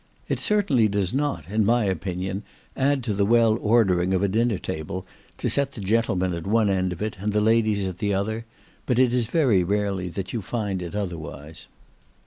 It certainly does not, in my opinion, add to the well ordering a dinner table, to set the gentlemen at one end of it, and the ladies at the other; but it is very rarely that you find it otherwise.